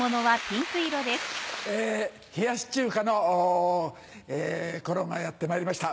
冷やし中華の頃がやってまいりました。